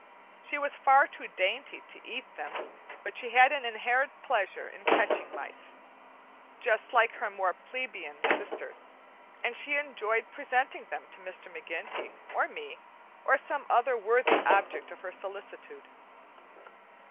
She was far too dainty to eat them, but she had an inherent pleasure in catching mice, just like her more plebeian sisters; and she enjoyed presenting them to Mr. McGinty or me, or some other worthy object of her solicitude.